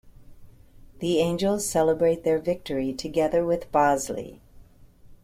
The Angels celebrate their victory together with Bosley.